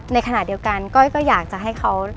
ในขณะเดียวกันก้อยก็อยากจะให้เขา